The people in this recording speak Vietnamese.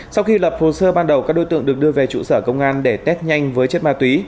sau khi lập hồ sơ ban đầu các đối tượng được đưa về trụ sở công an để test nhanh với chất ma túy